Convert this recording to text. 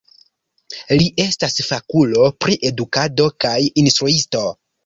Li estas fakulo pri edukado kaj instruisto.